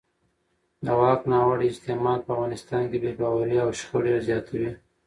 د واک ناوړه استعمال په افغانستان کې بې باورۍ او شخړې زیاتوي